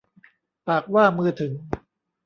ปากว่ามือถึง